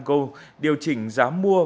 go điều chỉnh giá mua